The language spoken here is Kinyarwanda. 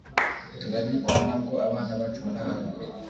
turabikora nabwo abana bacu barahagwa